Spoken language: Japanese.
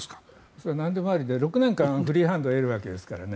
それはなんでもありで６年間、フリーハンドを得るわけですからね。